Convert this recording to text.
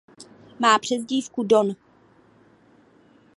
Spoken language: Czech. Má přezdívku Don.